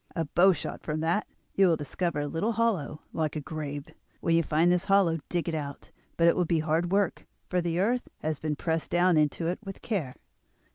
A bow shot from that you will discover a little hollow like a grave. When you find this hollow dig it out; but it will be hard work, for the earth has been pressed down into it with care.